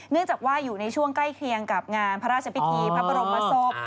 จากว่าอยู่ในช่วงใกล้เคียงกับงานพระราชพิธีพระบรมศพ